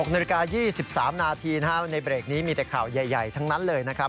๖นาฬิกา๒๓นาทีนะครับในเบรกนี้มีแต่ข่าวใหญ่ทั้งนั้นเลยนะครับ